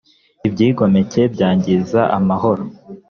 ibyigomeke byangiza amahoro.